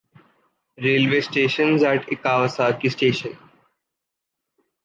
Railway stations at Ekawasaki Station.